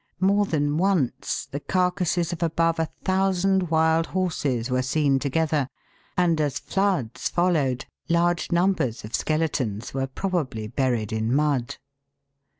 More than once the carcases of above a thousand wild horses were seen together, and, as floods followed, large numbers of skeletons were probably buried in mud.